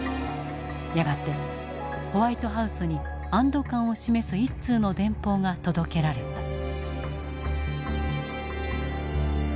やがてホワイトハウスに安ど感を示す一通の電報が届けられた。